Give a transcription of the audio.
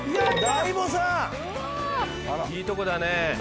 いいとこだね